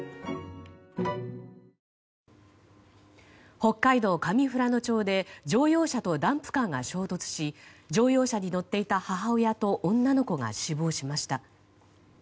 北海道上富良野町で乗用車とダンプカーが衝突し乗用車に乗っていた母親と女の子が死亡しました。